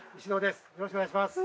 よろしくお願いします